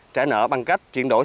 trả nợ bằng cách chuyển đổi